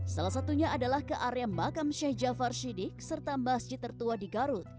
salah satunya adalah ke area makam sheikh jafar syidik serta masjid tertua di garut